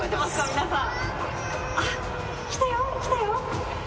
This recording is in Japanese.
皆さんあっ来たよ来たよ